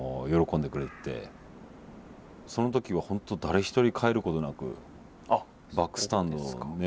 その時は本当誰一人帰ることなくバックスタンドのね